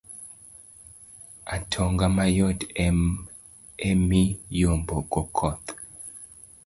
Atonga mayot emiyombogo koth.